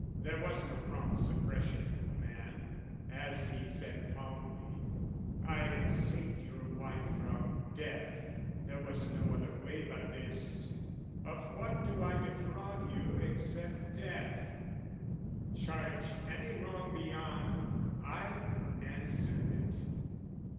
There was no prompt suppression of the man As he said calmly, "I have saved your wife "From death; there was no other way but this; "Of what do I defraud you except death? "Charge any wrong beyond, I answer it."